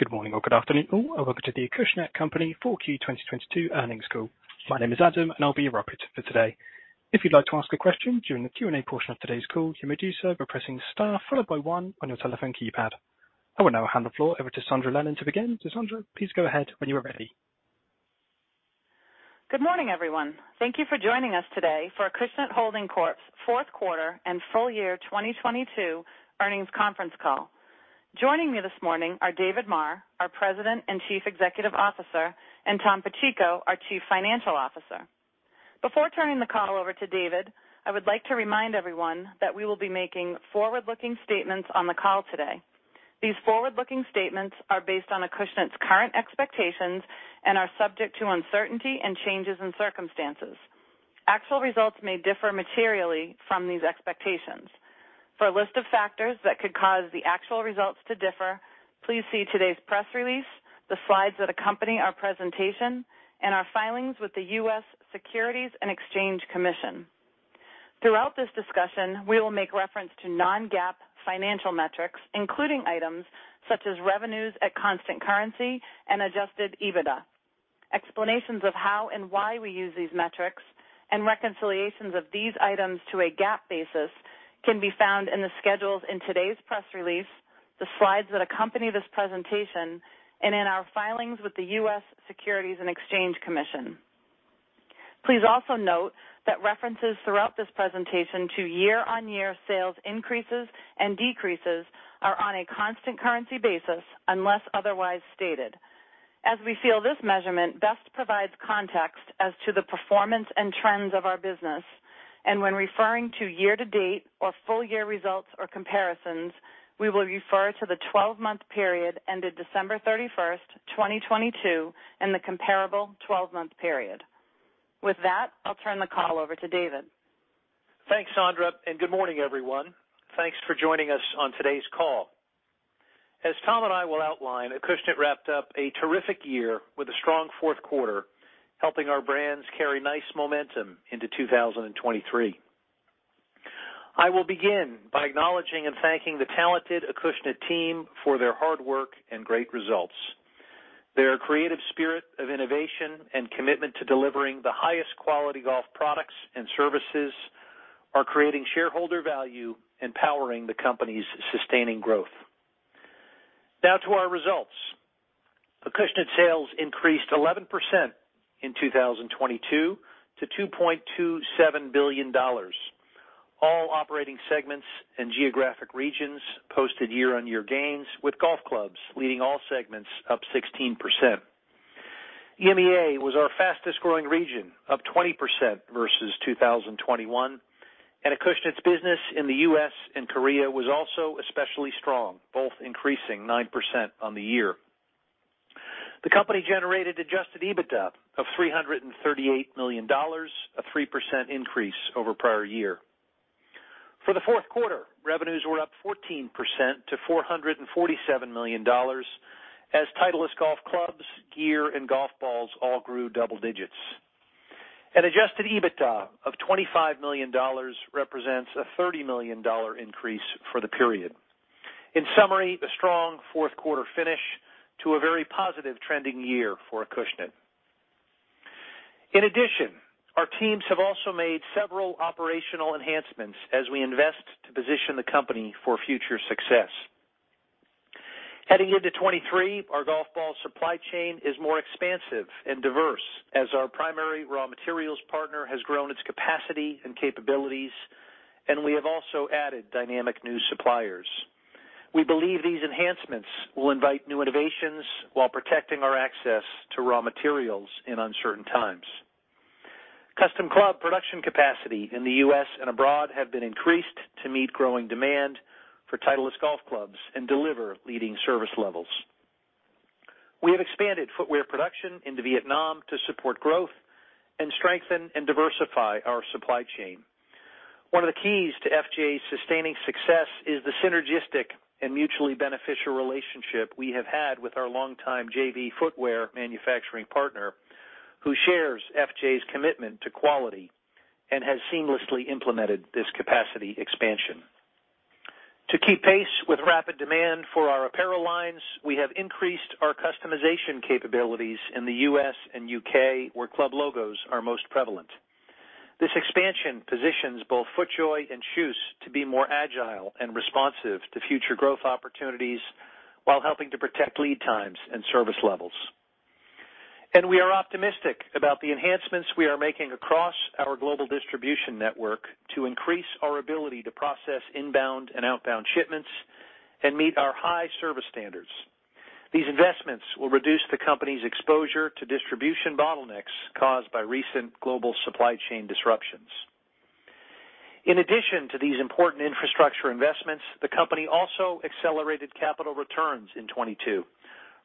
Good morning or good afternoon all, welcome to the Acushnet Company 4Q 2022 earnings call. My name is Adam, I'll be your operator for today. If you'd like to ask a question during the Q&A portion of today's call, you may do so by pressing star followed by one on your telephone keypad. I will now hand the floor over to Sondra Lennon to begin. Sondra, please go ahead when you are ready. Good morning, everyone. Thank you for joining us today for Acushnet Holdings Corp.'s fourth quarter and full year 2022 earnings conference call. Joining me this morning are David Maher, our President and Chief Executive Officer, and Tom Pacheco, our Chief Financial Officer. Before turning the call over to David, I would like to remind everyone that we will be making forward-looking statements on the call today. These forward-looking statements are based on Acushnet's current expectations and are subject to uncertainty and changes in circumstances. Actual results may differ materially from these expectations. For a list of factors that could cause the actual results to differ, please see today's press release, the slides that accompany our presentation, and our filings with the US Securities and Exchange Commission. Throughout this discussion, we will make reference to Non-GAAP financial metrics, including items such as revenues at constant currency and adjusted EBITDA. Explanations of how and why we use these metrics and reconciliations of these items to a GAAP basis can be found in the schedules in today's press release, the slides that accompany this presentation, and in our filings with the US Securities and Exchange Commission. Please also note that references throughout this presentation to year-on-year sales increases and decreases are on a constant currency basis unless otherwise stated. As we feel this measurement best provides context as to the performance and trends of our business, and when referring to year-to-date or full year results or comparisons, we will refer to the 12-month period ended December 31st, 2022, and the comparable 12-month period. With that, I'll turn the call over to David. Thanks, Sondra, good morning, everyone. Thanks for joining us on today's call. As Tom and I will outline, Acushnet wrapped up a terrific year with a strong fourth quarter, helping our brands carry nice momentum into 2023. I will begin by acknowledging and thanking the talented Acushnet team for their hard work and great results. Their creative spirit of innovation and commitment to delivering the highest quality golf products and services are creating shareholder value and powering the company's sustaining growth. Now to our results. Acushnet sales increased 11% in 2022 to $2.27 billion. All operating segments and geographic regions posted year-over-year gains, with golf clubs leading all segments up 16%. EMEA was our fastest-growing region, up 20% versus 2021. Acushnet's business in the US and Korea was also especially strong, both increasing 9% on the year. The company generated adjusted EBITDA of $338 million, a 3% increase over prior year. For the fourth quarter, revenues were up 14% to $447 million as Titleist golf clubs, gear, and golf balls all grew double digits. An adjusted EBITDA of $25 million represents a $30 million increase for the period. In summary, a strong fourth quarter finish to a very positive trending year for Acushnet. In addition, our teams have also made several operational enhancements as we invest to position the company for future success. Heading into 2023, our golf ball supply chain is more expansive and diverse as our primary raw materials partner has grown its capacity and capabilities, and we have also added dynamic new suppliers. We believe these enhancements will invite new innovations while protecting our access to raw materials in uncertain times. Custom club production capacity in the U.S. and abroad have been increased to meet growing demand for Titleist golf clubs and deliver leading service levels. We have expanded footwear production into Vietnam to support growth and strengthen and diversify our supply chain. One of the keys to FJ's sustaining success is the synergistic and mutually beneficial relationship we have had with our longtime JV footwear manufacturing partner, who shares FJ's commitment to quality and has seamlessly implemented this capacity expansion. To keep pace with rapid demand for our apparel lines, we have increased our customization capabilities in the U.S. and U.K., where club logos are most prevalent. This expansion positions both FootJoy and KJUS to be more agile and responsive to future growth opportunities while helping to protect lead times and service levels. We are optimistic about the enhancements we are making across our global distribution network to increase our ability to process inbound and outbound shipments and meet our high service standards. These investments will reduce the company's exposure to distribution bottlenecks caused by recent global supply chain disruptions. In addition to these important infrastructure investments, the company also accelerated capital returns in 2022,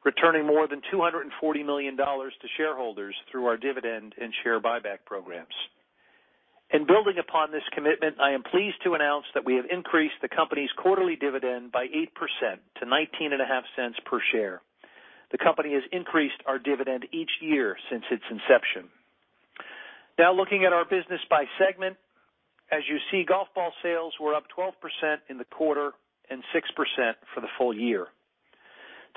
returning more than $240 million to shareholders through our dividend and share buyback programs. In building upon this commitment, I am pleased to announce that we have increased the company's quarterly dividend by 8% to $0.195 per share. The company has increased our dividend each year since its inception. Looking at our business by segment. As you see, golf ball sales were up 12% in the quarter and 6% for the full year.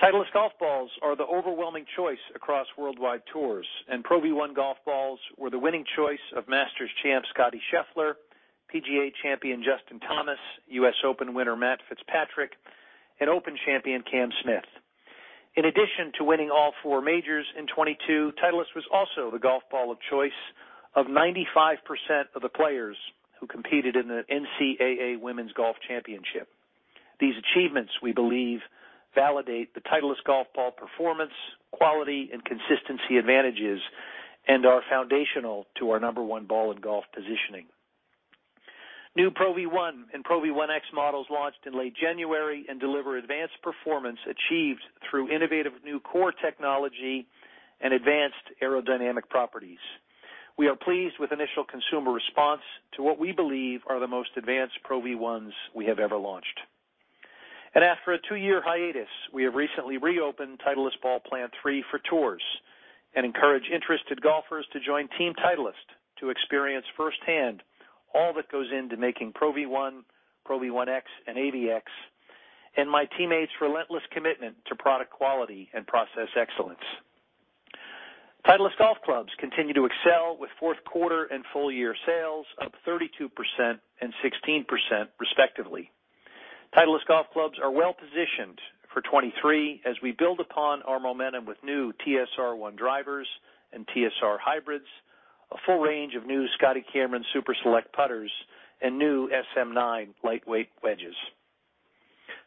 Titleist golf balls are the overwhelming choice across worldwide tours, and Pro V1 golf balls were the winning choice of Masters champ Scottie Scheffler, PGA champion Justin Thomas, US Open winner Matt Fitzpatrick, and Open champion Cameron Smith. In addition to winning all four majors in 2022, Titleist was also the golf ball of choice of 95% of the players who competed in the NCAA Women's Golf Championship. These achievements, we believe, validate the Titleist golf ball performance, quality, and consistency advantages and are foundational to our number one ball in golf positioning. New Pro V1 and Pro V1x models launched in late January and deliver advanced performance achieved through innovative new core technology and advanced aerodynamic properties. We are pleased with initial consumer response to what we believe are the most advanced Pro V1s we have ever launched. After a two-year hiatus, we have recently reopened Titleist Ball Plant Three for tours and encourage interested golfers to join Team Titleist to experience firsthand all that goes into making Pro V1, Pro V1x, and AVX, and my teammates' relentless commitment to product quality and process excellence. Titleist golf clubs continue to excel with fourth quarter and full year sales up 32% and 16% respectively. Titleist golf clubs are well positioned for 2023 as we build upon our momentum with new TSR1 drivers and TSR hybrids, a full range of new Scotty Cameron Super Select putters, and new SM9 lightweight wedges.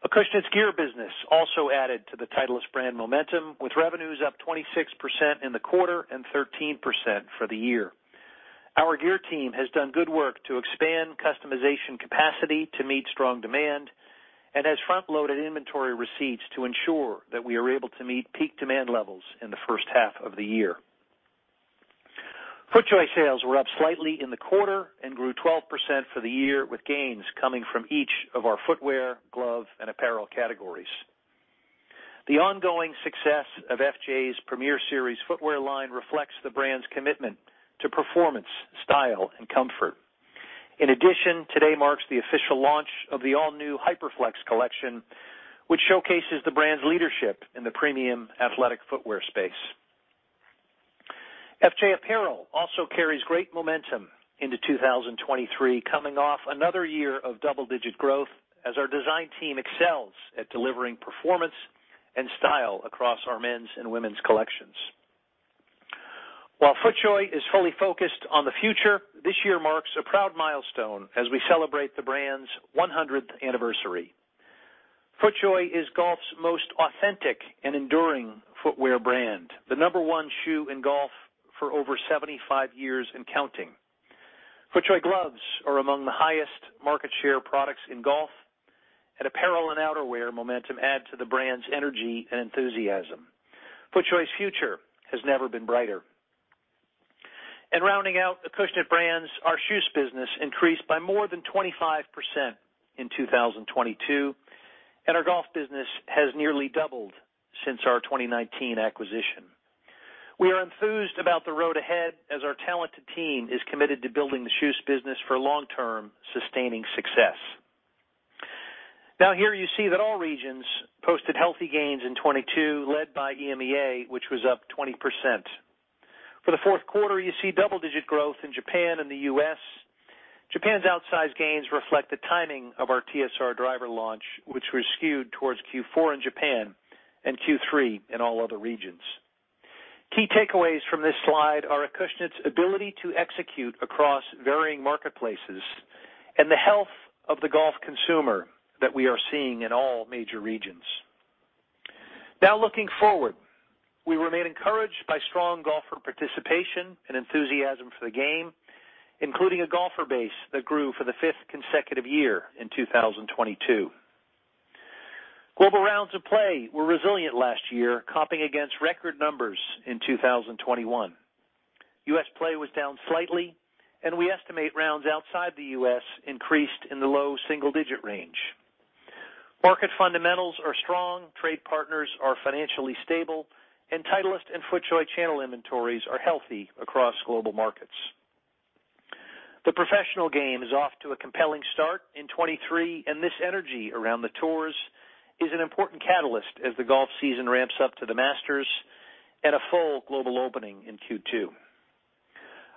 Acushnet's gear business also added to the Titleist brand momentum, with revenues up 26% in the quarter and 13% for the year. Our gear team has done good work to expand customization capacity to meet strong demand and has front-loaded inventory receipts to ensure that we are able to meet peak demand levels in the first half of the year. FootJoy sales were up slightly in the quarter and grew 12% for the year, with gains coming from each of our footwear, glove, and apparel categories. The ongoing success of FJ's Premiere Series footwear line reflects the brand's commitment to performance, style, and comfort. In addition, today marks the official launch of the all-new HyperFlex collection, which showcases the brand's leadership in the premium athletic footwear space. FJ apparel also carries great momentum into 2023, coming off another year of double-digit growth as our design team excels at delivering performance and style across our men's and women's collections. While FootJoy is fully focused on the future, this year marks a proud milestone as we celebrate the brand's 100th anniversary. FootJoy is golf's most authentic and enduring footwear brand, the number one shoe in golf for over 75 years and counting. FootJoy gloves are among the highest market share products in golf, and apparel and outerwear momentum add to the brand's energy and enthusiasm. FootJoy's future has never been brighter. Rounding out Acushnet brands, our KJUS business increased by more than 25% in 2022, and our golf business has nearly doubled since our 2019 acquisition. We are enthused about the road ahead as our talented team is committed to building the KJUS business for long-term sustaining success. Here you see that all regions posted healthy gains in 2022, led by EMEA, which was up 20%. For the fourth quarter, you see double-digit growth in Japan and the U.S. Japan's outsized gains reflect the timing of our TSR driver launch, which was skewed towards Q4 in Japan and Q3 in all other regions. Key takeaways from this slide are Acushnet's ability to execute across varying marketplaces and the health of the golf consumer that we are seeing in all major regions. Looking forward, we remain encouraged by strong golfer participation and enthusiasm for the game, including a golfer base that grew for the fifth consecutive year in 2022. Global rounds of play were resilient last year, comping against record numbers in 2021. U.S. play was down slightly, and we estimate rounds outside the U.S. increased in the low single-digit range. Market fundamentals are strong, trade partners are financially stable, and Titleist and FootJoy channel inventories are healthy across global markets. The professional game is off to a compelling start in 2023, and this energy around the tours is an important catalyst as the golf season ramps up to the Masters and a full global opening in Q2.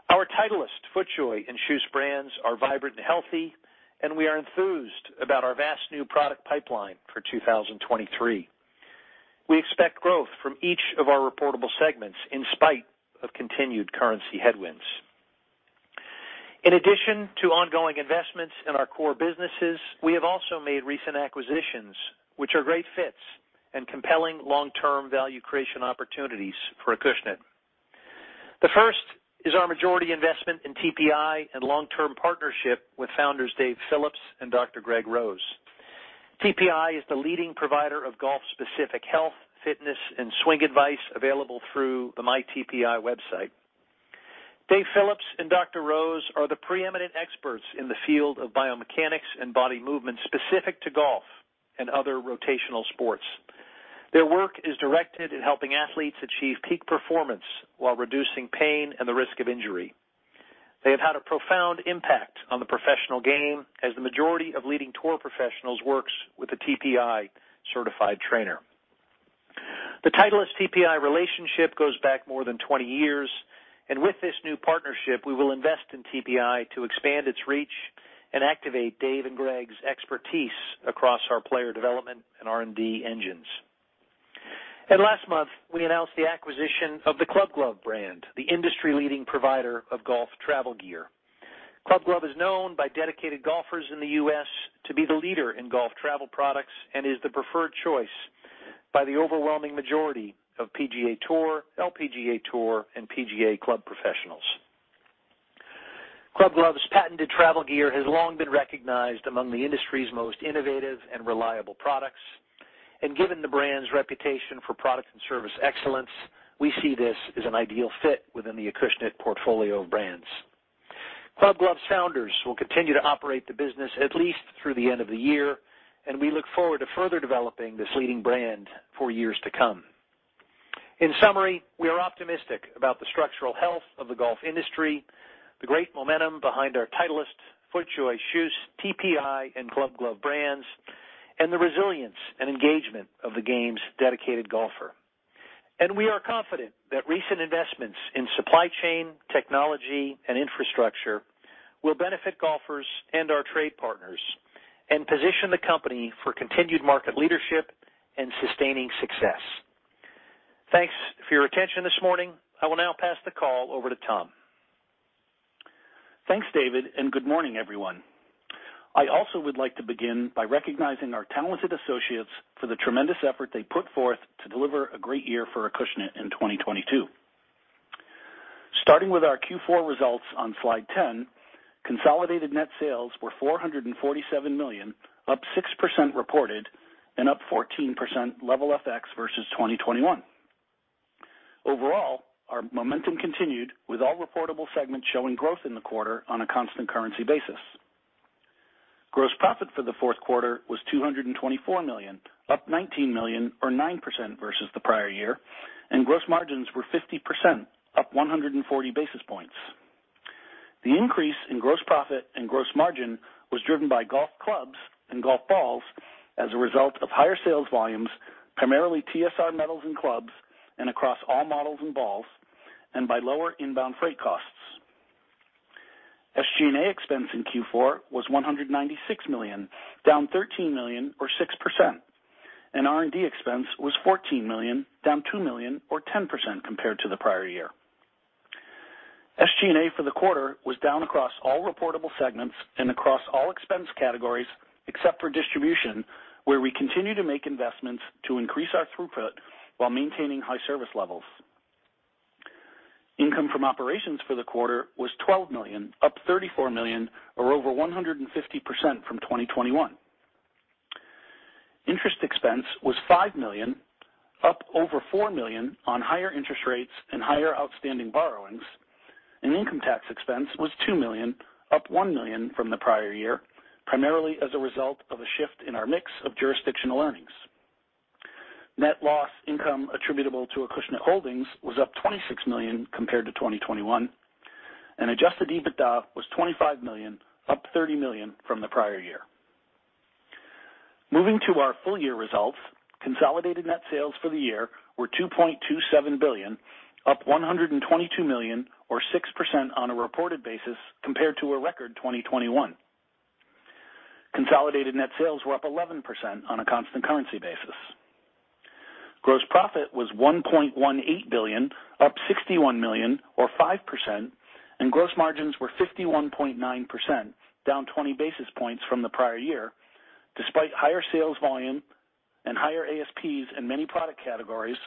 Our Titleist, FootJoy, and KJUS brands are vibrant and healthy, and we are enthused about our vast new product pipeline for 2023. We expect growth from each of our reportable segments in spite of continued currency headwinds. In addition to ongoing investments in our core businesses, we have also made recent acquisitions which are great fits and compelling long-term value creation opportunities for Acushnet. The first is our majority investment in TPI and long-term partnership with founders Dave Phillips and Dr. Greg Rose. TPI is the leading provider of golf-specific health, fitness, and swing advice available through the MyTPI website. Dave Phillips and Dr. Rose are the preeminent experts in the field of biomechanics and body movement specific to golf and other rotational sports. Their work is directed at helping athletes achieve peak performance while reducing pain and the risk of injury. They have had a profound impact on the professional game as the majority of leading tour professionals works with a TPI certified trainer. The Titleist TPI relationship goes back more than 20 years. With this new partnership, we will invest in TPI to expand its reach and activate Dave and Greg's expertise across our player development and R&D engines. Last month, we announced the acquisition of the Club Glove brand, the industry-leading provider of golf travel gear. Club Glove is known by dedicated golfers in the US to be the leader in golf travel products and is the preferred choice by the overwhelming majority of PGA TOUR, LPGA Tour, and PGA club professionals. Club Glove's patented travel gear has long been recognized among the industry's most innovative and reliable products. Given the brand's reputation for product and service excellence, we see this as an ideal fit within the Acushnet portfolio of brands. Club Glove's founders will continue to operate the business at least through the end of the year. We look forward to further developing this leading brand for years to come. In summary, we are optimistic about the structural health of the golf industry, the great momentum behind our Titleist, FootJoy Shoes, TPI, and Club Glove brands, and the resilience and engagement of the game's dedicated golfer. We are confident that recent investments in supply chain, technology, and infrastructure will benefit golfers and our trade partners and position the company for continued market leadership and sustaining success. Thanks for your attention this morning. I will now pass the call over to Tom. Thanks, David. Good morning, everyone. I also would like to begin by recognizing our talented associates for the tremendous effort they put forth to deliver a great year for Acushnet in 2022. Starting with our Q4 results on slide 10, consolidated net sales were $447 million, up 6% reported and up 14% level FX versus 2021. Overall, our momentum continued with all reportable segments showing growth in the quarter on a constant currency basis. Gross profit for the fourth quarter was $224 million, up $19 million or 9% versus the prior year, and gross margins were 50%, up 140 basis points. The increase in gross profit and gross margin was driven by golf clubs and golf balls as a result of higher sales volumes, primarily TSR metals and clubs and across all models and balls, and by lower inbound freight costs. SG&A expense in Q4 was $196 million, down $13 million or 6%, and R&D expense was $14 million, down $2 million or 10% compared to the prior year. SG&A for the quarter was down across all reportable segments and across all expense categories except for distribution, where we continue to make investments to increase our throughput while maintaining high service levels. Income from operations for the quarter was $12 million, up $34 million or over 150% from 2021. Interest expense was $5 million, up over $4 million on higher interest rates and higher outstanding borrowings. Income tax expense was $2 million, up $1 million from the prior year, primarily as a result of a shift in our mix of jurisdictional earnings. Net loss income attributable to Acushnet Holdings was up $26 million compared to 2021. Adjusted EBITDA was $25 million, up $30 million from the prior year. Moving to our full year results, consolidated net sales for the year were $2.27 billion, up $122 million or 6% on a reported basis compared to a record 2021. Consolidated net sales were up 11% on a constant currency basis. Gross profit was $1.18 billion, up $61 million or 5%, and gross margins were 51.9%, down 20 basis points from the prior year, despite higher sales volume and higher ASPs in many product categories,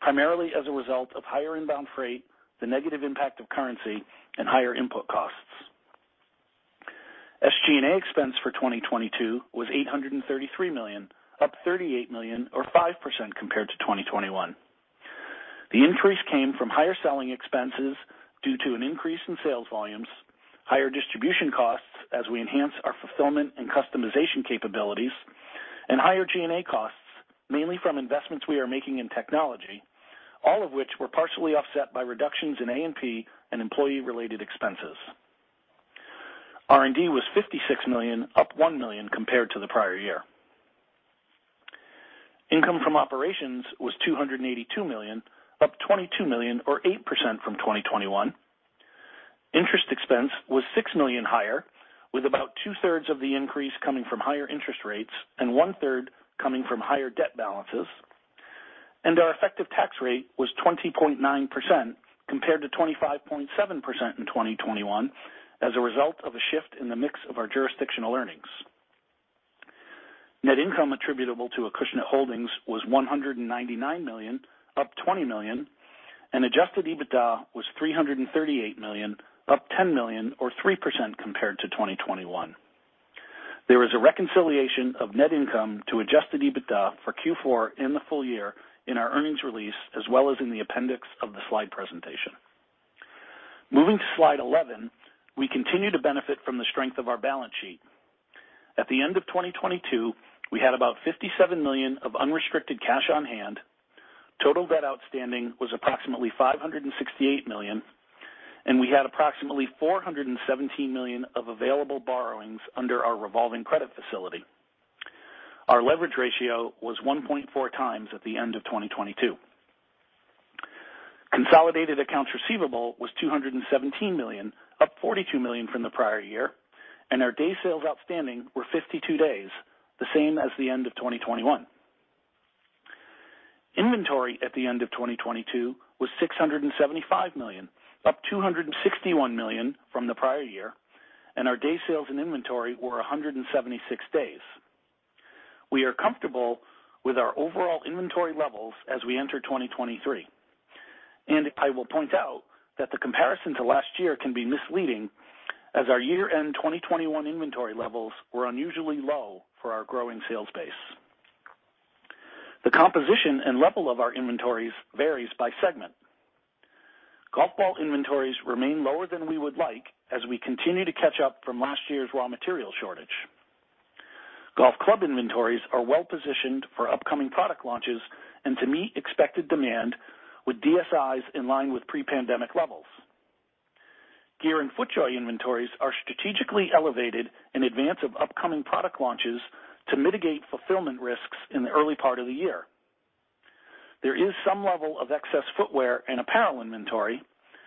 primarily as a result of higher inbound freight, the negative impact of currency and higher input costs. SG&A expense for 2022 was $833 million, up $38 million or 5% compared to 2021. The increase came from higher selling expenses due to an increase in sales volumes, higher distribution costs as we enhance our fulfillment and customization capabilities, and higher G&A costs, mainly from investments we are making in technology, all of which were partially offset by reductions in A&P and employee-related expenses. R&D was $56 million, up $1 million compared to the prior year. Income from operations was $282 million, up $22 million or 8% from 2021. Interest expense was $6 million higher, with about two-thirds of the increase coming from higher interest rates and one-third coming from higher debt balances. Our effective tax rate was 20.9% compared to 25.7% in 2021 as a result of a shift in the mix of our jurisdictional earnings. Net income attributable to Acushnet Holdings was $199 million, up $20 million, adjusted EBITDA was $338 million, up $10 million or 3% compared to 2021. There is a reconciliation of net income to adjusted EBITDA for Q4 in the full year in our earnings release as well as in the appendix of the slide presentation. Moving to Slide 11, we continue to benefit from the strength of our balance sheet. At the end of 2022, we had about $57 million of unrestricted cash on hand. Total debt outstanding was approximately $568 million, and we had approximately $417 million of available borrowings under our revolving credit facility. Our leverage ratio was 1.4x at the end of 2022. Consolidated accounts receivable was $217 million, up $42 million from the prior year, and our days sales outstanding were 52 days, the same as the end of 2021. Inventory at the end of 2022 was $675 million, up $261 million from the prior year, and our days sales in inventory were 176 days. We are comfortable with our overall inventory levels as we enter 2023. I will point out that the comparison to last year can be misleading as our year-end 2021 inventory levels were unusually low for our growing sales base. The composition and level of our inventories varies by segment. Golf ball inventories remain lower than we would like as we continue to catch up from last year's raw material shortage. Golf club inventories are well-positioned for upcoming product launches and to meet expected demand with DSIs in line with pre-pandemic levels. Gear and FootJoy inventories are strategically elevated in advance of upcoming product launches to mitigate fulfillment risks in the early part of the year. There is some level of excess footwear and apparel inventory.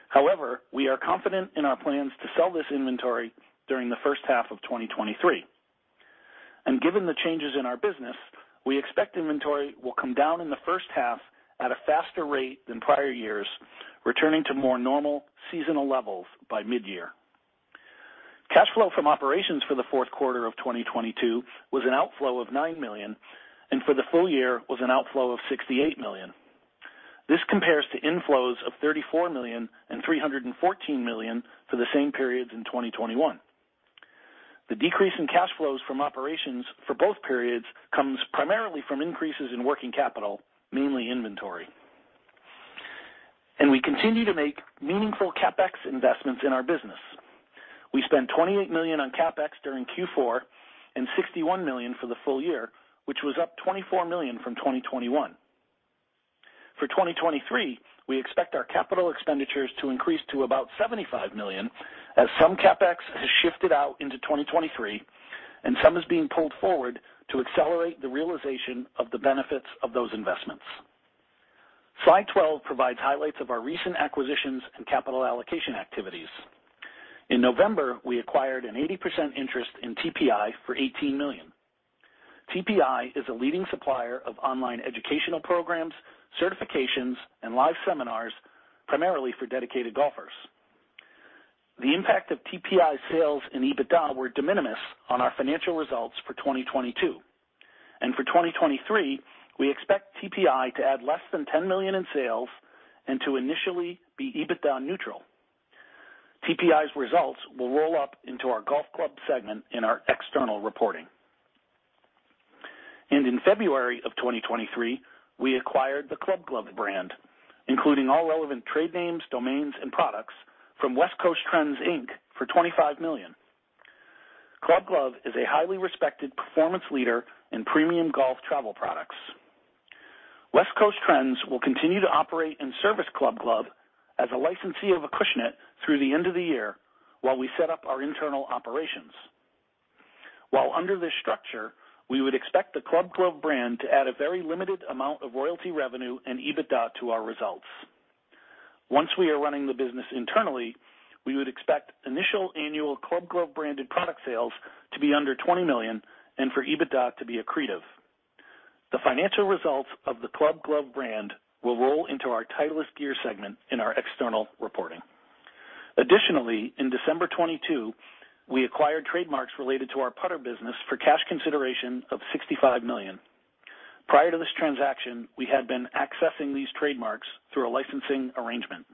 However, we are confident in our plans to sell this inventory during the first half of 2023. Given the changes in our business, we expect inventory will come down in the first half at a faster rate than prior years, returning to more normal seasonal levels by mid-year. Cash flow from operations for the fourth quarter of 2022 was an outflow of $9 million, and for the full year was an outflow of $68 million. This compares to inflows of $34 million and $314 million for the same periods in 2021. The decrease in cash flows from operations for both periods comes primarily from increases in working capital, mainly inventory. We continue to make meaningful CapEx investments in our business. We spent $28 million on CapEx during Q4 and $61 million for the full year, which was up $24 million from 2021. For 2023, we expect our capital expenditures to increase to about $75 million, as some CapEx has shifted out into 2023, and some is being pulled forward to accelerate the realization of the benefits of those investments. Slide 12 provides highlights of our recent acquisitions and capital allocation activities. In November, we acquired an 80% interest in TPI for $18 million. TPI is a leading supplier of online educational programs, certifications, and live seminars, primarily for dedicated golfers. The impact of TPI sales and EBITDA were de minimis on our financial results for 2022. For 2023, we expect TPI to add less than $10 million in sales and to initially be EBITDA neutral. TPI's results will roll up into our golf club segment in our external reporting. In February of 2023, we acquired the Club Glove brand, including all relevant trade names, domains, and products from West Coast Trends Inc. for $25 million. Club Glove is a highly respected performance leader in premium golf travel products. West Coast Trends will continue to operate in service Club Glove as a licensee of Acushnet through the end of the year while we set up our internal operations. While under this structure, we would expect the Club Glove brand to add a very limited amount of royalty revenue and EBITDA to our results. Once we are running the business internally, we would expect initial annual Club Glove branded product sales to be under $20 million and for EBITDA to be accretive. The financial results of the Club Glove brand will roll into our Titleist Gear segment in our external reporting. Additionally, in December 2022, we acquired trademarks related to our putter business for cash consideration of $65 million. Prior to this transaction, we had been accessing these trademarks through a licensing arrangement.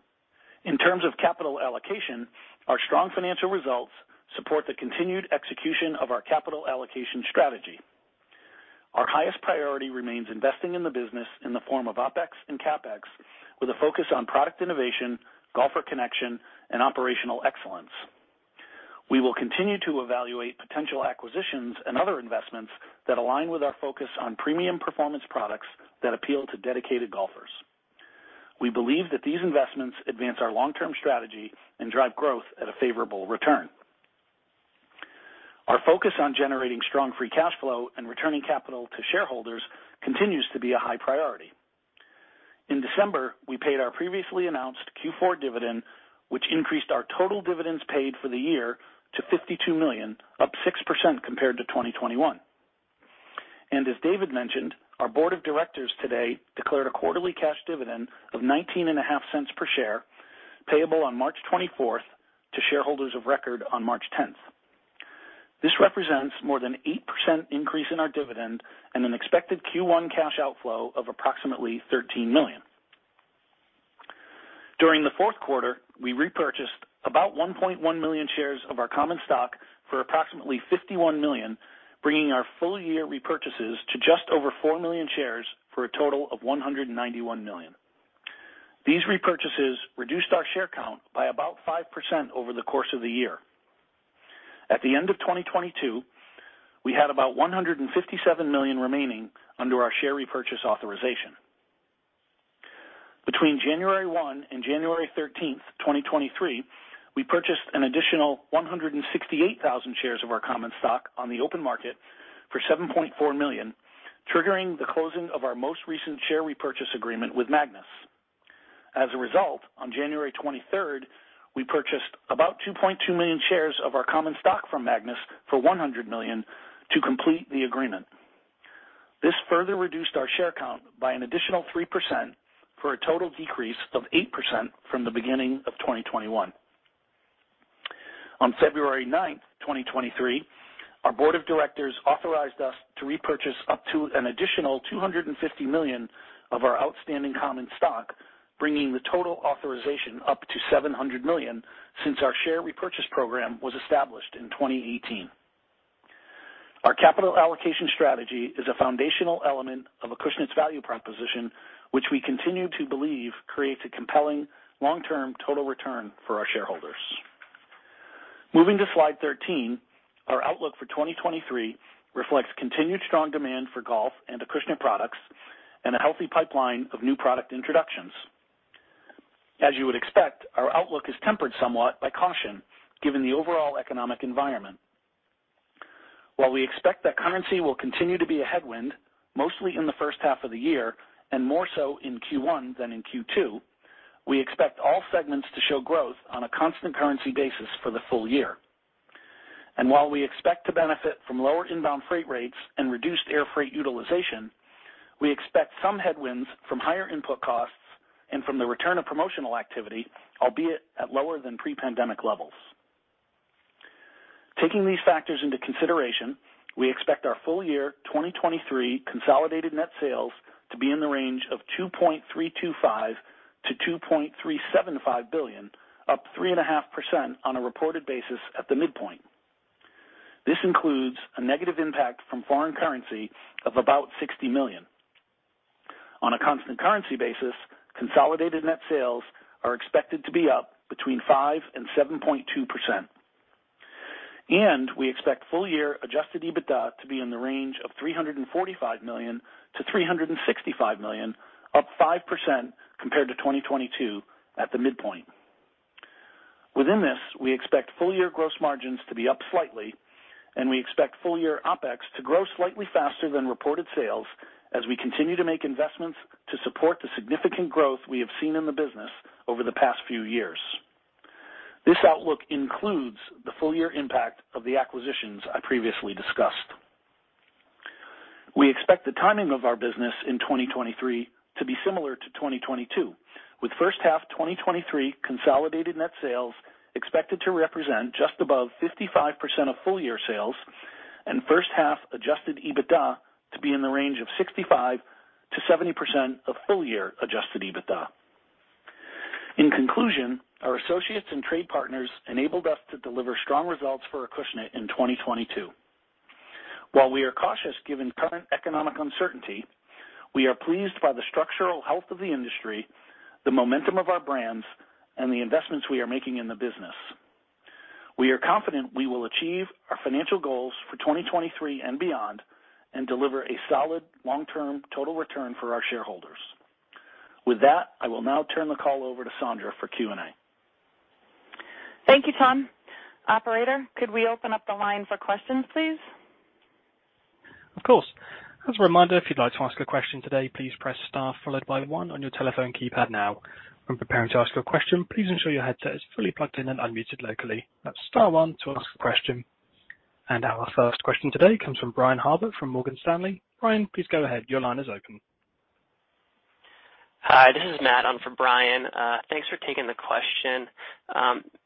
In terms of capital allocation, our strong financial results support the continued execution of our capital allocation strategy. Our highest priority remains investing in the business in the form of OpEx and CapEx, with a focus on product innovation, golfer connection, and operational excellence. We will continue to evaluate potential acquisitions and other investments that align with our focus on premium performance products that appeal to dedicated golfers. We believe that these investments advance our long-term strategy and drive growth at a favorable return. Our focus on generating strong free cash flow and returning capital to shareholders continues to be a high priority. In December, we paid our previously announced Q4 dividend, which increased our total dividends paid for the year to $52 million, up 6% compared to 2021. As David mentioned, our board of directors today declared a quarterly cash dividend of $0.195 per share, payable on March 24th to shareholders of record on March 10th. This represents more than 8% increase in our dividend and an expected Q1 cash outflow of approximately $13 million. During the fourth quarter, we repurchased about $1.1 million shares of our common stock for approximately $51 million, bringing our full year repurchases to just over $4 million shares for a total of $191 million. These repurchases reduced our share count by about 5% over the course of the year. At the end of 2022, we had about $157 million remaining under our share repurchase authorization. Between January 1st and January 13th, 2023, we purchased an additional 168,000 shares of our common stock on the open market for $7.4 million, triggering the closing of our most recent share repurchase agreement with Magnus. As a result, on January 23rd, we purchased about $2.2 million shares of our common stock from Magnus for $100 million to complete the agreement. This further reduced our share count by an additional 3% for a total decrease of 8% from the beginning of 2021. On February 9th, 2023, our board of directors authorized us to repurchase up to an additional $250 million of our outstanding common stock, bringing the total authorization up to $700 million since our share repurchase program was established in 2018. Our capital allocation strategy is a foundational element of Acushnet's value proposition, which we continue to believe creates a compelling long-term total return for our shareholders. Moving to Slide 13, our outlook for 2023 reflects continued strong demand for golf and Acushnet products and a healthy pipeline of new product introductions. As you would expect, our outlook is tempered somewhat by caution given the overall economic environment. While we expect that currency will continue to be a headwind, mostly in the first half of the year and more so in Q1 than in Q2, we expect all segments to show growth on a constant currency basis for the full year. While we expect to benefit from lower inbound freight rates and reduced air freight utilization, we expect some headwinds from higher input costs and from the return of promotional activity, albeit at lower than pre-pandemic levels. Taking these factors into consideration, we expect our full year 2023 consolidated net sales to be in the range of $2.325 billion-$2.375 billion, up 3.5% on a reported basis at the midpoint. This includes a negative impact from foreign currency of about $60 million. On a constant currency basis, consolidated net sales are expected to be up between 5% and 7.2%. We expect full year adjusted EBITDA to be in the range of $345 million-$365 million, up 5% compared to 2022 at the midpoint. Within this, we expect full year gross margins to be up slightly. We expect full year OpEx to grow slightly faster than reported sales as we continue to make investments to support the significant growth we have seen in the business over the past few years. This outlook includes the full year impact of the acquisitions I previously discussed. We expect the timing of our business in 2023 to be similar to 2022, with first half 2023 consolidated net sales expected to represent just above 55% of full year sales, and first half adjusted EBITDA to be in the range of 65%-70% of full year adjusted EBITDA. In conclusion, our associates and trade partners enabled us to deliver strong results for Acushnet in 2022. While we are cautious given current economic uncertainty, we are pleased by the structural health of the industry, the momentum of our brands, and the investments we are making in the business. We are confident we will achieve our financial goals for 2023 and beyond, and deliver a solid long-term total return for our shareholders. With that, I will now turn the call over to Sondra for Q&A. Thank you, Tom. Operator, could we open up the line for questions, please? Of course. As a reminder, if you'd like to ask a question today, please press star followed by one on your telephone keypad now. When preparing to ask your question, please ensure your headset is fully plugged in and unmuted locally. That's star one to ask a question. Our first question today comes from Brian Harbour from Morgan Stanley. Brian, please go ahead. Your line is open. Hi, this is Matt. I'm from Brian. Thanks for taking the question.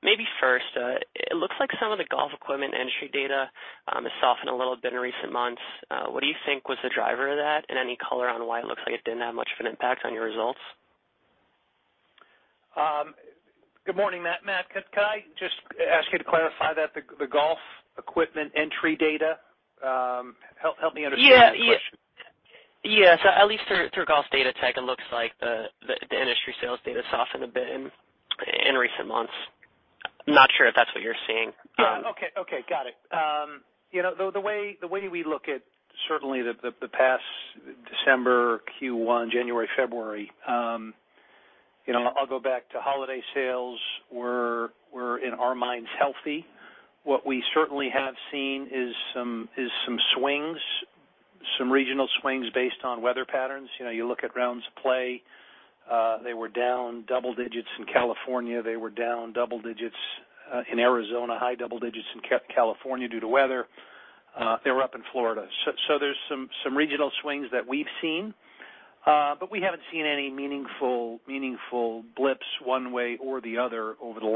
Maybe first, it looks like some of the golf equipment entry data has softened a little bit in recent months. What do you think was the driver of that? Any color on why it looks like it didn't have much of an impact on your results? Good morning, Matt. Matt, could I just ask you to clarify that the golf equipment entry data? Help me understand that question. Yeah. Yes. At least through Golf Datatech, it looks like the industry sales data softened a bit in recent months. Not sure if that's what you're seeing. Yeah. Okay. Okay. Got it. You know, the way we look at certainly the past December, Q1, January, February, you know, I'll go back to holiday sales were in our minds healthy. What we certainly have seen is some swings, some regional swings based on weather patterns. You know, you look at rounds of play, they were down double digits in California. They were down double digits in Arizona, high double digits in California due to weather. They were up in Florida. There's some regional swings that we've seen, but we haven't seen any meaningful blips one way or the other over the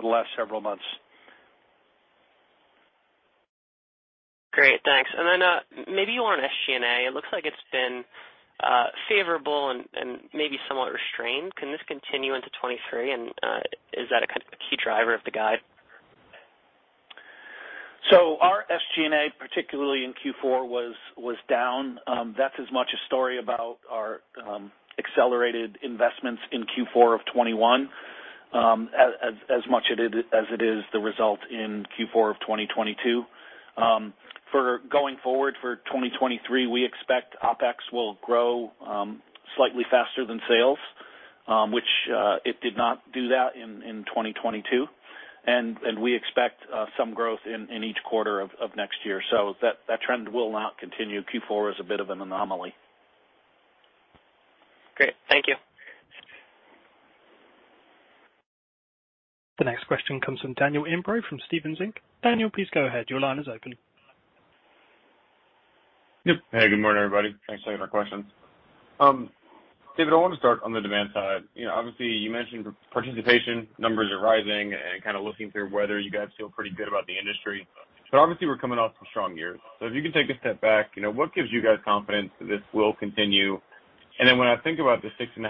last several months. Great, thanks. Then, maybe you want SG&A, it looks like it's been, favorable and maybe somewhat restrained. Can this continue into 2023? Is that a key driver of the guide? Our SG&A, particularly in Q4, was down. That's as much a story about our accelerated investments in Q4 of 2021, as much as it is the result in Q4 of 2022. For going forward for 2023, we expect OpEx will grow slightly faster than sales, which it did not do that in 2022. We expect some growth in each quarter of next year. That trend will not continue. Q4 is a bit of an anomaly. Great. Thank you. The next question comes from Daniel Imbro from Stephens Inc. Daniel, please go ahead. Your line is open. Hey, good morning, everybody. Thanks for taking our questions. David, I want to start on the demand side. You know, obviously, you mentioned participation numbers are rising and kind of looking through weather, you guys feel pretty good about the industry, but obviously we're coming off some strong years. If you can take a step back, you know, what gives you guys confidence that this will continue? When I think about the 6.5%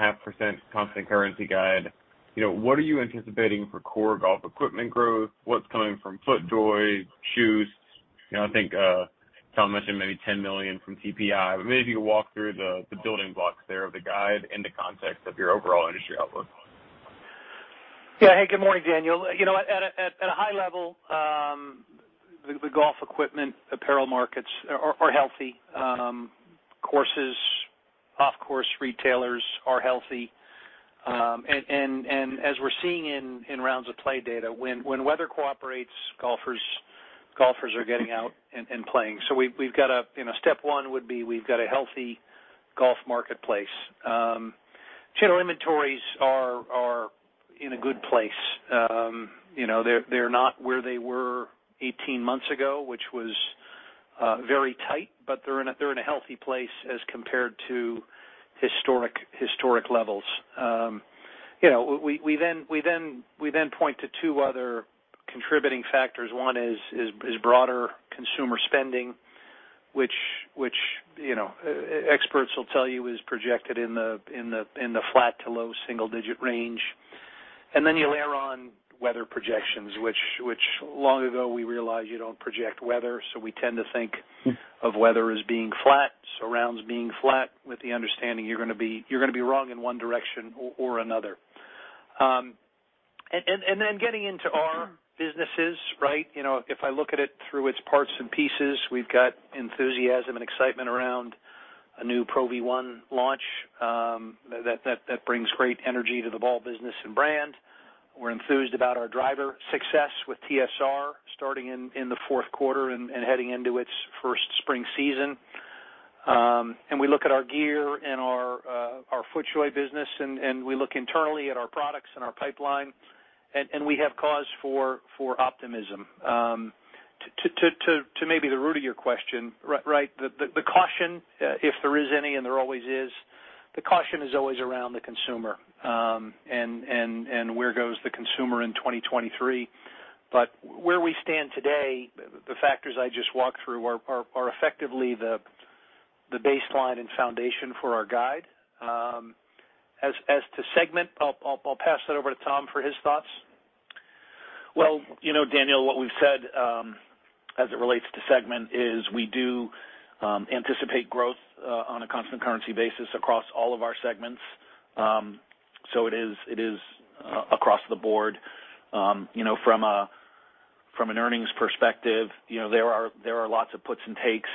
constant currency guide, you know, what are you anticipating for core golf equipment growth? What's coming from FootJoy shoes? You know, I think Tom mentioned maybe $10 million from TPI, maybe you could walk through the building blocks there of the guide in the context of your overall industry outlook. Yeah. Hey, good morning, Daniel Imbro. You know, at a high level, the golf equipment, apparel markets are healthy. Courses, off-course retailers are healthy. As we're seeing in rounds of play data, when weather cooperates, golfers are getting out and playing. We've got a, you know, step one would be we've got a healthy golf marketplace. Channel inventories are in a good place. You know, they're not where they were 18 months ago, which was very tight, but they're in a healthy place as compared to historic levels. You know, we then point to two other contributing factors. One is broader consumer spending, which, you know, e-experts will tell you is projected in the flat to low single-digit range. Then you layer on weather projections, which long ago we realized you don't project weather, so we tend to think of weather as being flat. Rounds being flat with the understanding you're gonna be wrong in one direction or another. Then getting into our businesses, right? You know, if I look at it through its parts and pieces, we've got enthusiasm and excitement around a new Pro V1 launch that brings great energy to the ball business and brand. We're enthused about our driver success with TSR starting in the fourth quarter and heading into its first spring season. We look at our gear and our FootJoy business, we look internally at our products and our pipeline, and we have cause for optimism. To maybe the root of your question, right? The caution, if there is any, and there always is, the caution is always around the consumer, and where goes the consumer in 2023. Where we stand today, the factors I just walked through are effectively the baseline and foundation for our guide. As to segment, I'll pass that over to Tom for his thoughts. Well, you know, Daniel, what we've said, as it relates to segment is we do anticipate growth on a constant currency basis across all of our segments. It is across the board. You know, from an earnings perspective, you know, there are lots of puts and takes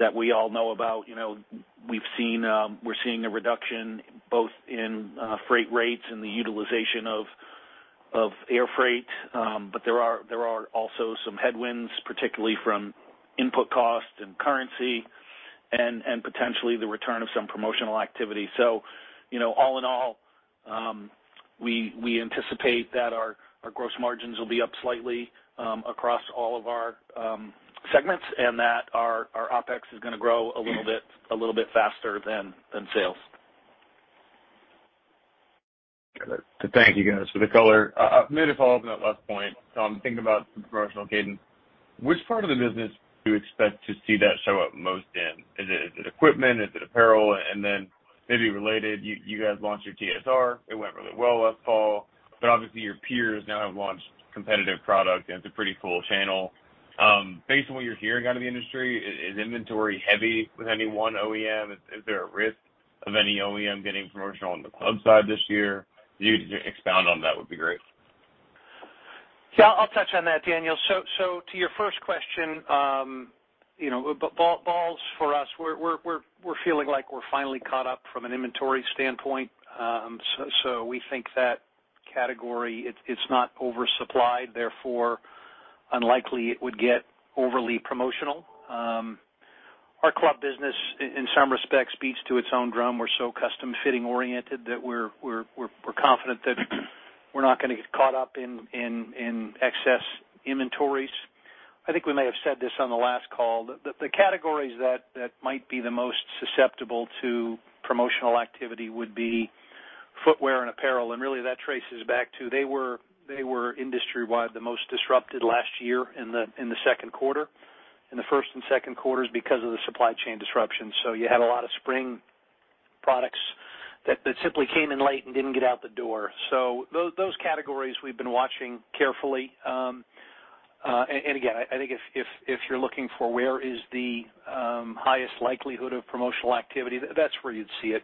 that we all know about. You know, we've seen, we're seeing a reduction both in freight rates and the utilization of air freight. There are also some headwinds, particularly from input costs and currency and potentially the return of some promotional activity. You know, all in all, we anticipate that our gross margins will be up slightly, across all of our segments and that our OpEx is gonna grow a little bit faster than sales. Thank you guys for the color. Maybe if I'll open that last point. I'm thinking about the promotional cadence. Which part of the business do you expect to see that show up most in? Is it equipment? Is it apparel? Then maybe related, you guys launched your TSR. It went really well last fall, but obviously your peers now have launched competitive product and it's a pretty full channel. Based on what you're hearing out of the industry, is inventory heavy with any one OEM? Is there a risk of any OEM getting promotional on the club side this year? If you could just expound on that would be great. Yeah, I'll touch on that, Daniel Imbro. To your first question, you know, balls for us, we're feeling like we're finally caught up from an inventory standpoint. We think that category, it's not oversupplied, therefore unlikely it would get overly promotional. Our club business in some respects beats to its own drum. We're so custom fitting oriented that we're confident that we're not gonna get caught up in excess inventories. I think we may have said this on the last call. The categories that might be the most susceptible to promotional activity would be FootJoy and apparel, and really that traces back to they were industry-wide the most disrupted last year in the second quarter, in the first and second quarters because of the supply chain disruption. You had a lot of spring products that simply came in late and didn't get out the door. Those categories we've been watching carefully. Again, I think if you're looking for where is the highest likelihood of promotional activity, that's where you'd see it,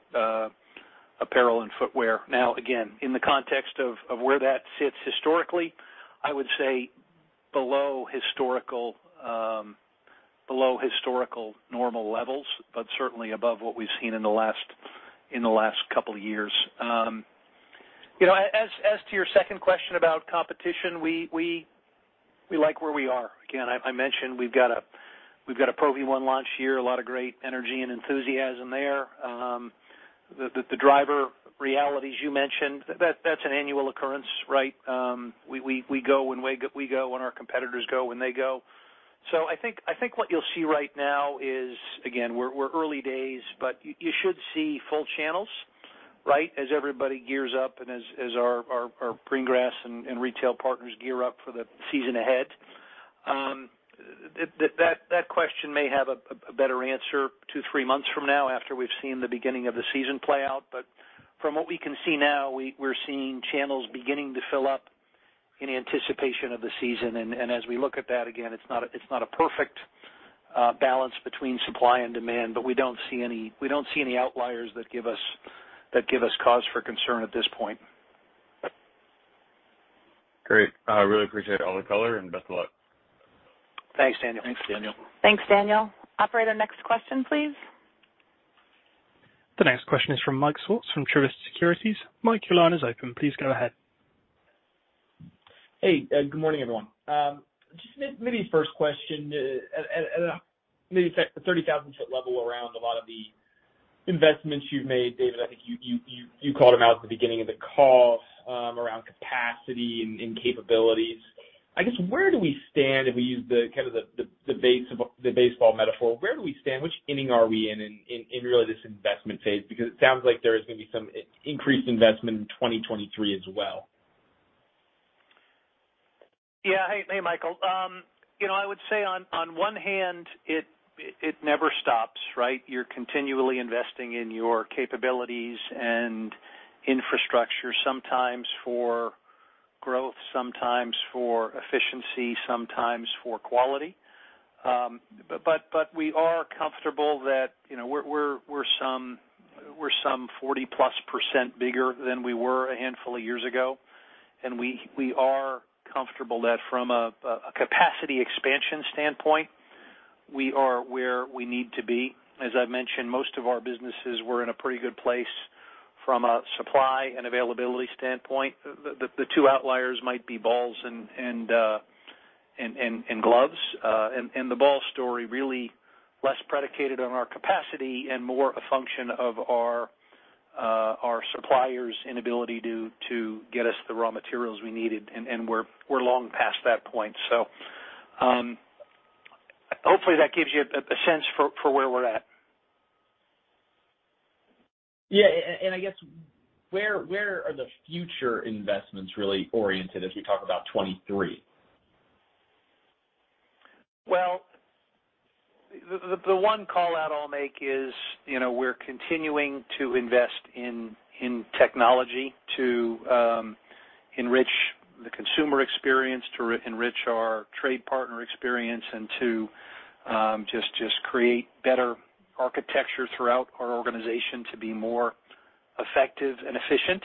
apparel and footwear. Again, in the context of where that sits historically, I would say below historical, below historical normal levels, but certainly above what we've seen in the last couple of years. You know, as to your second question about competition, we like where we are. Again, I mentioned we've got a Pro V1 launch here, a lot of great energy and enthusiasm there. The driver realities you mentioned, that's an annual occurrence, right? we go when we go, and our competitors go when they go. I think what you'll see right now is, again, we're early days, but you should see full channels, right? As everybody gears up and as our green grass and retail partners gear up for the season ahead. That question may have a better answer two, three months from now after we've seen the beginning of the season play out. From what we can see now, we're seeing channels beginning to fill up in anticipation of the season. As we look at that, again, it's not a perfect balance between supply and demand, but we don't see any outliers that give us cause for concern at this point. Great. I really appreciate all the color. Best of luck. Thanks, Daniel. Thanks, Daniel. Thanks, Daniel. Operator, next question, please. The next question is from Michael Swartz from Truist Securities. Mike, your line is open. Please go ahead. Hey, good morning, everyone. Just maybe first question, at maybe 30,000 foot level around a lot of the investments you've made. David, I think you called them out at the beginning of the call, around capacity and capabilities. I guess, where do we stand if we use the kind of the baseball metaphor, where do we stand? Which inning are we in really this investment phase? It sounds like there is going to be some increased investment in 2023 as well. Yeah. Hey, hey, Michael. you know, I would say on one hand, it never stops, right? You're continually investing in your capabilities and infrastructure, sometimes for growth, sometimes for efficiency, sometimes for quality. We are comfortable that, you know, we're some 40+ % bigger than we were a handful of years ago, and we are comfortable that from a capacity expansion standpoint, we are where we need to be. As I mentioned, most of our businesses were in a pretty good place from a supply and availability standpoint. The two outliers might be balls and gloves. The ball story really less predicated on our capacity and more a function of our suppliers inability to get us the raw materials we needed, and we're long past that point. Hopefully that gives you a sense for where we're at. Yeah. I guess where are the future investments really oriented as we talk about 2023? Well, the one call out I'll make is, you know, we're continuing to invest in technology to enrich the consumer experience, to enrich our trade partner experience, and to just create better architecture throughout our organization to be more effective and efficient.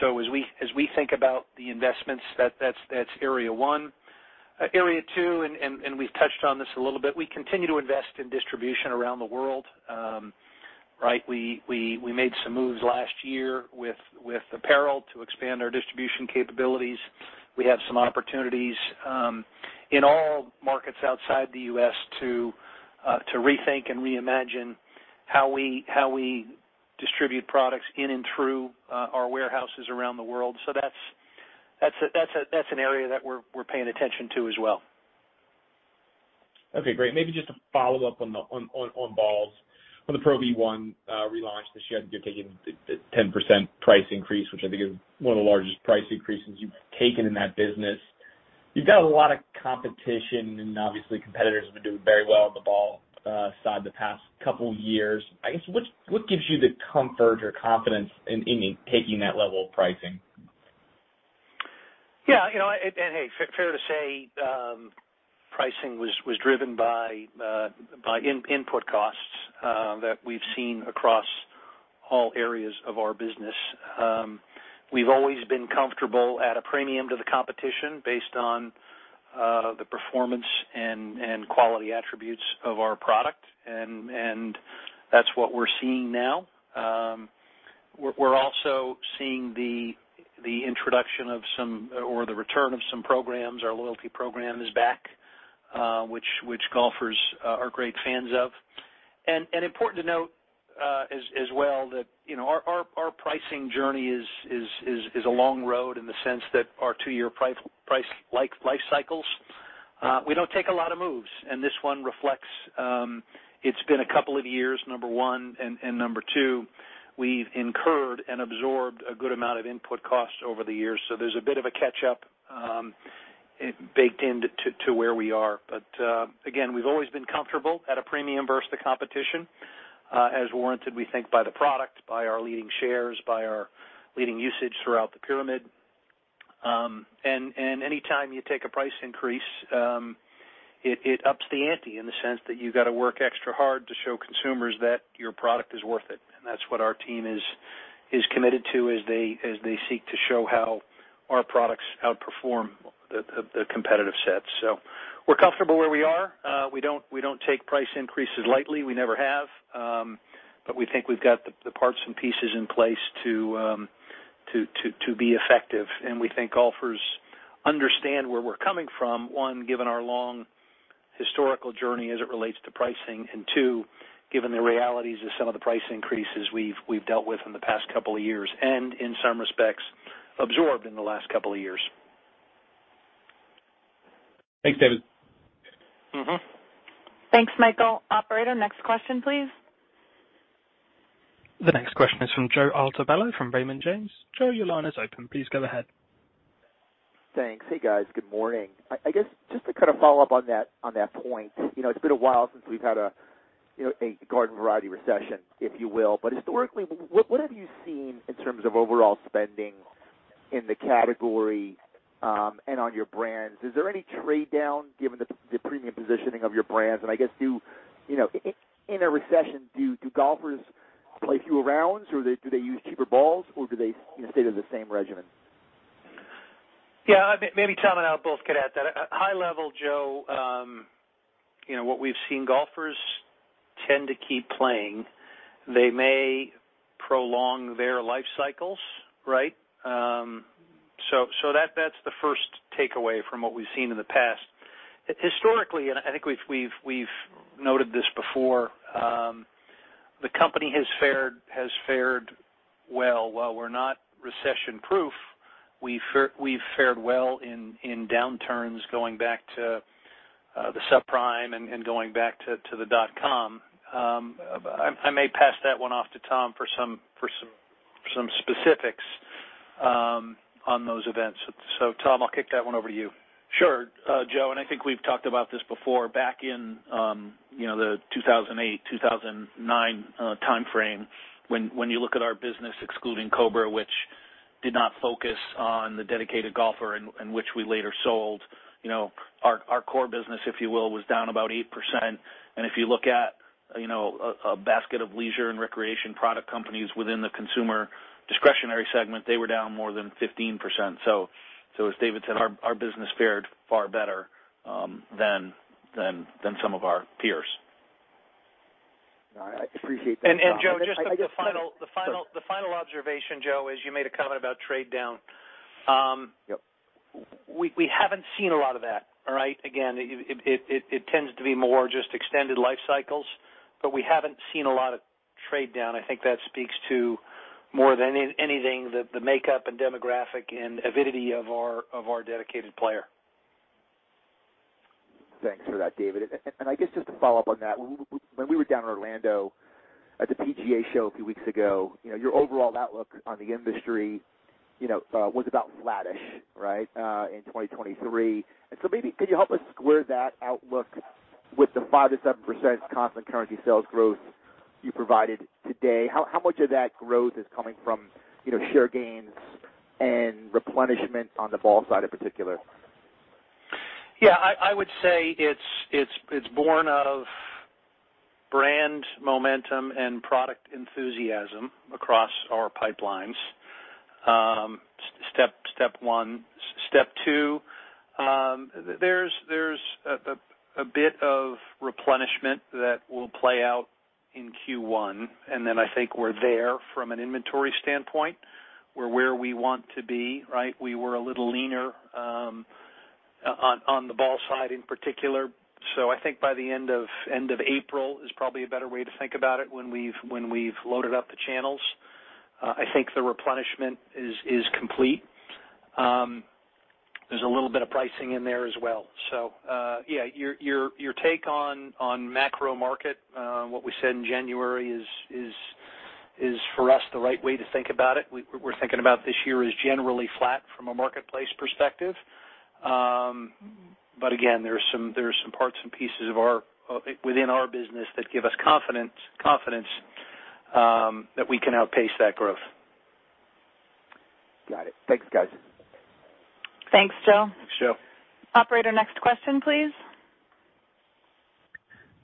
So as we think about the investments that's area one. Area two, and we've touched on this a little bit. We continue to invest in distribution around the world. Right? We made some moves last year with apparel to expand our distribution capabilities. We have some opportunities in all markets outside the U.S. to rethink and reimagine how we distribute products in and through our warehouses around the world. That's an area that we're paying attention to as well. Okay, great. Maybe just a follow-up on balls. On the Pro V1 relaunch this year, you're taking the 10% price increase, which I think is one of the largest price increases you've taken in that business. You've got a lot of competition, and obviously competitors have been doing very well on the ball side the past couple years. I guess, what gives you the comfort or confidence in taking that level of pricing? Yeah, you know. Hey, fair to say, pricing was driven by input costs that we've seen across all areas of our business. We've always been comfortable at a premium to the competition based on the performance and quality attributes of our product. That's what we're seeing now. We're also seeing the introduction of some or the return of some programs. Our loyalty program is back, which golfers are great fans of. Important to note as well that, you know, our pricing journey is a long road in the sense that our two-year price life cycles. We don't take a lot of moves, and this one reflects. It's been a couple of years, number one. Number two, we've incurred and absorbed a good amount of input costs over the years, so there's a bit of a catch-up baked into where we are. Again, we've always been comfortable at a premium versus the competition, as warranted, we think, by the product, by our leading shares, by our leading usage throughout the pyramid. Any time you take a price increase, it ups the ante in the sense that you gotta work extra hard to show consumers that your product is worth it. That's what our team is committed to as they seek to show how our products outperform the competitive set. We're comfortable where we are. We don't take price increases lightly. We never have. We think we've got the parts and pieces in place to be effective. We think golfers understand where we're coming from, one, given our long historical journey as it relates to pricing, and two, given the realities of some of the price increases we've dealt with in the past couple of years, and in some respects, absorbed in the last couple of years. Thanks, David. Mm-hmm. Thanks, Michael. Operator, next question, please. The next question is from Joe Altobello from Raymond James. Joe, your line is open. Please go ahead. Thanks. Hey, guys. Good morning. I guess, just to kind of follow up on that, on that point, you know, it's been a while since we've had a, you know, a garden variety recession, if you will. Historically, what have you seen in terms of overall spending in the category, and on your brands? Is there any trade-down, given the premium positioning of your brands? I guess, do, you know, in a recession, do golfers play fewer rounds, or do they use cheaper balls, or do they, you know, stay to the same regimen? Yeah. Maybe Tom and I both could add to that. At high level, Joe, you know, what we've seen, golfers tend to keep playing. They may prolong their life cycles, right? That's the first takeaway from what we've seen in the past. Historically, I think we've noted this before, the company has fared well. While we're not recession-proof, we've fared well in downturns going back to the subprime and going back to the dot-com. I may pass that one off to Tom for some specifics on those events. Tom, I'll kick that one over to you. Sure. Joe, I think we've talked about this before. Back in, you know, the 2008 timeframe, 2009 timeframe, when you look at our business, excluding Cobra, which did not focus on the dedicated golfer and which we later sold, you know, our core business, if you will, was down about 8%. If you look at, you know, a basket of leisure and recreation product companies within the consumer discretionary segment, they were down more than 15%. As David said, our business fared far better than some of our peers. I appreciate that, Tom. Joe, just the final observation, Joe, is you made a comment about trade-down. Yep. We haven't seen a lot of that, all right? It tends to be more just extended life cycles, but we haven't seen a lot of trade-down. I think that speaks to more than anything, the makeup and demographic and avidity of our dedicated player. Thanks for that, David. I guess, just to follow up on that, when we were down in Orlando at the PGA Show a few weeks ago, you know, your overall outlook on the industry, you know, was about flattish, right, in 2023. Maybe could you help us square that outlook with the 5%-7% constant currency sales growth you provided today? How much of that growth is coming from, you know, share gains and replenishment on the ball side in particular? I would say it's born of brand momentum and product enthusiasm across our pipelines. Step one. Step two, there's a bit of replenishment that will play out in Q1, and then I think we're there from an inventory standpoint. We're where we want to be, right? We were a little leaner on the ball side in particular. I think by the end of April is probably a better way to think about it when we've loaded up the channels. I think the replenishment is complete. There's a little bit of pricing in there as well. Your take on macro market, what we said in January is for us the right way to think about it. We're thinking about this year as generally flat from a marketplace perspective. Again, there's some, there's some parts and pieces of our within our business that give us confidence that we can outpace that growth. Got it. Thanks, guys. Thanks, Joe. Thanks, Joe. Operator, next question, please.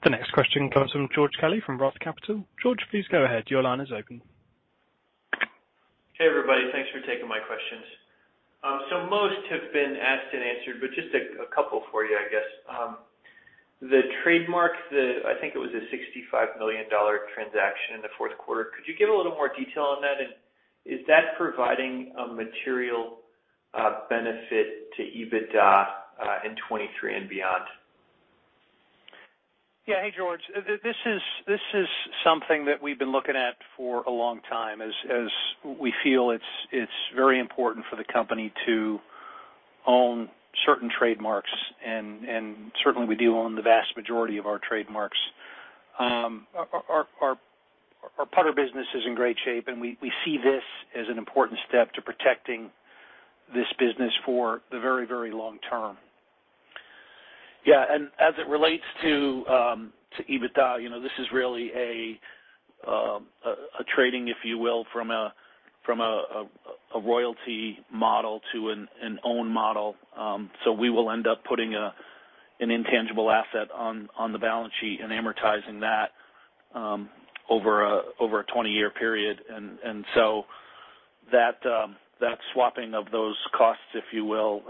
The next question comes from George Kelly from Roth Capital. George, please go ahead. Your line is open. Hey, everybody. Thanks for taking my questions. Most have been asked and answered, but just a couple for you, I guess. The trademark, I think it was a $65 million transaction in the fourth quarter. Could you give a little more detail on that? Is that providing a material benefit to EBITDA in 2023 and beyond? Hey, George. This is something that we've been looking at for a long time, as we feel it's very important for the company to own certain trademarks. Certainly we do own the vast majority of our trademarks. Our putter business is in great shape, and we see this as an important step to protecting this business for the very long term. As it relates to EBITDA, you know, this is really a trading, if you will, from a royalty model to an own model. So we will end up putting an intangible asset on the balance sheet and amortizing that over a 20-year period. That swapping of those costs, if you will,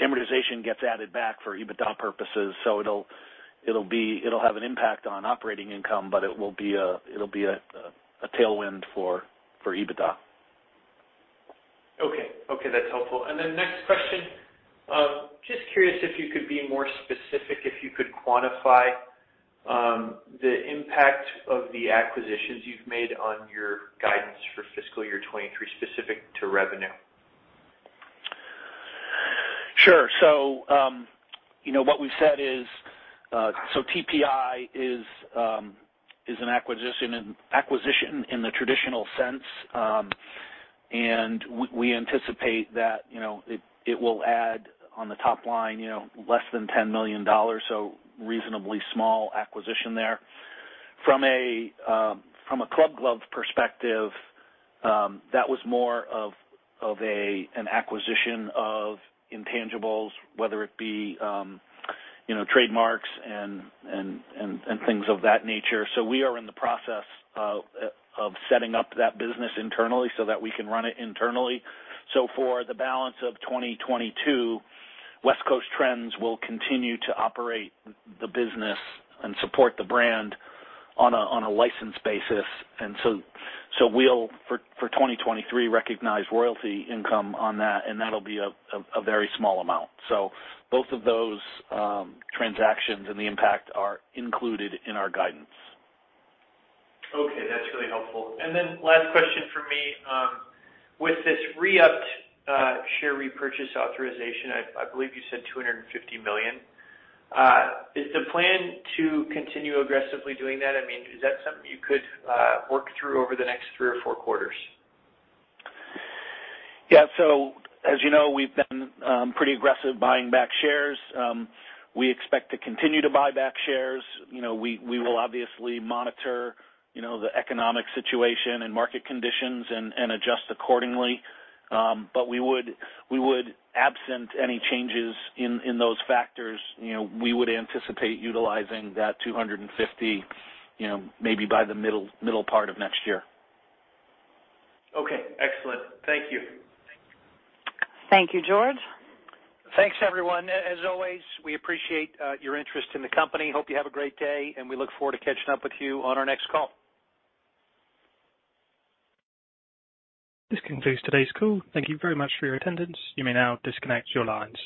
amortization gets added back for EBITDA purposes, so it'll have an impact on operating income, but it will be a tailwind for EBITDA. Okay. Okay, that's helpful. Next question. Just curious if you could be more specific, if you could quantify, the impact of the acquisitions you've made on your guidance for fiscal year 2023, specific to revenue? Sure. You know, what we've said is TPI is an acquisition in the traditional sense. We anticipate that, you know, it will add on the top line less than $10 million, so reasonably small acquisition there. From a Club Glove perspective, that was more of a an acquisition of intangibles, whether it be, you know, trademarks and things of that nature. We are in the process of setting up that business internally so that we can run it internally. For the balance of 2022, West Coast Trends will continue to operate the business and support the brand on a license basis. We'll for 2023 recognize royalty income on that, and that'll be a very small amount. Both of those transactions and the impact are included in our guidance. Okay, that's really helpful. Last question for me. With this re-upped share repurchase authorization, I believe you said $250 million, is the plan to continue aggressively doing that? I mean, is that something you could work through over the next three or four quarters? As you know, we've been pretty aggressive buying back shares. We expect to continue to buy back shares. You know, we will obviously monitor, you know, the economic situation and market conditions and adjust accordingly. We would, absent any changes in those factors, you know, we would anticipate utilizing that $250 million, you know, maybe by the middle part of next year. Okay, excellent. Thank you. Thank you, George. Thanks, everyone. As always, we appreciate your interest in the company. Hope you have a great day, and we look forward to catching up with you on our next call. This concludes today's call. Thank you very much for your attendance. You may now disconnect your lines.